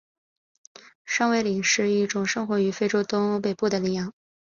山苇羚是一种生活于非洲东北部的羚羊。